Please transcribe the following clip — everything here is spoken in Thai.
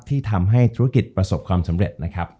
ที่ทำให้ธุรกิจประสบความสำเร็จนะครับ